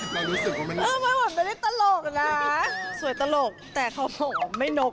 ทำไมรู้สึกว่าไม่นก